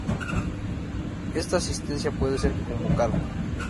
Esta asistencia puede ser convocada.